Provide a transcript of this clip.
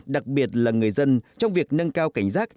đặc biệt là người dân trong việc nâng cao cảnh giác